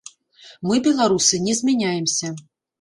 Мы, беларусы, не змяняемся.